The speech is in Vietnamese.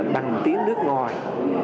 bằng tiếng nước ngoài